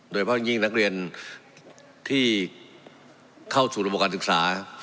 โดยเพราะยิ่งนักเรียนที่เข้าสู่ระบบการศึกษา